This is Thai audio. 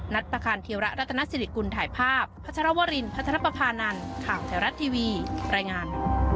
นัตรประคานเทียวระรัตนสิริกุลถ่ายภาพพวรินทร์พประพานันทร์ข่าวแถวรัตน์ทีวีปรายงาน